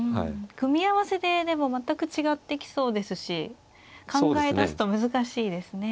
組み合わせででも全く違ってきそうですし考えだすと難しいですね。